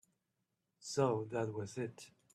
So that was it.